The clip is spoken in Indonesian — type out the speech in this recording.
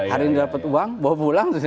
harian dapat uang bawa pulang